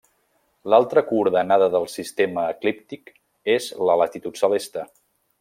L'altra coordenada del sistema eclíptic és la latitud celeste.